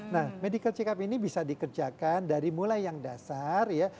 nah medical check up ini bisa dikerjakan dari mulai yang dasar ya